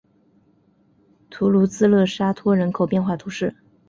图卢兹勒沙托人口变化图示